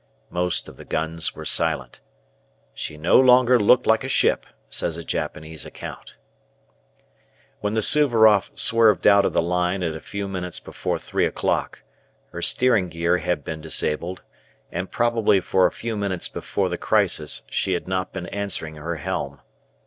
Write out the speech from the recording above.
Most of the guns were silent. "She no longer looked like a ship," says a Japanese account. When the "Suvaroff" swerved out of the line at a few minutes before three o'clock her steering gear had been disabled, and probably for a few minutes before the crisis she had not been answering her helm.